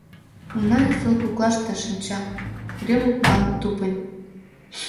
Уна ӱстел коклаште шинча, урем окналан тупынь.